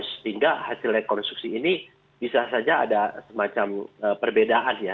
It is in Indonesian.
sehingga hasil rekonstruksi ini bisa saja ada semacam perbedaan ya